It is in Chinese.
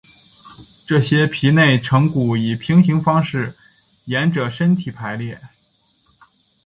这些皮内成骨以平行方式沿者身体排列。